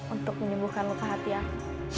untuk menyembuhkan luka hati aku